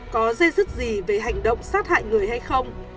có dây dứt gì về hành động sát hại người hay không